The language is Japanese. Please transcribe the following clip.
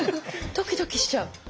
ドキドキしちゃう。